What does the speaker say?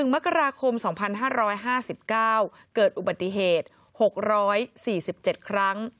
มกราคม๒๕๕๙เกิดอุบัติเหตุ๖๔๗ครั้ง